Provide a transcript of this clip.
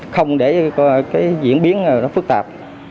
không để diễn biến phức tạp